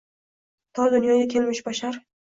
To dunyoga kelmish bashar